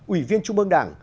ủy viên trung ương đảng